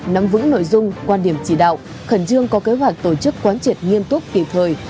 nắm vững nội dung quan điểm chỉ đạo khẩn trương có kế hoạch tổ chức quán triệt nghiêm túc kịp thời